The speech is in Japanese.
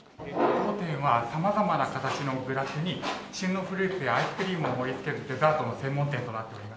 当店は様々な形のグラスに旬のフルーツやアイスクリームを盛り付けるデザートの専門店となっております。